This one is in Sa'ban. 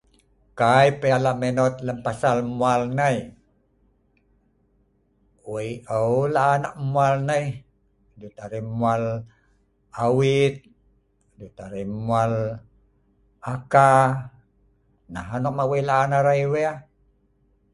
Kai pah yah lak minot pasal mwal nai, wei aeu laan ek mwal nai.arai mwal awit, arai mwal aka, nah nok wei laan arai ai wea.